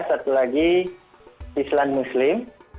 satu lagi islam muslim